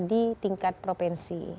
di tingkat provinsi